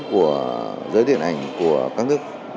của giới điện ảnh của các nước